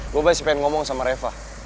gue pasti pengen ngomong sama reva